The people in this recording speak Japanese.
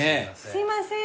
すいません。